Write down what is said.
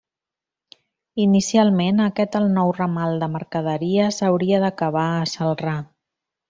Inicialment aquest el nou ramal de mercaderies hauria d'acabar a Celrà.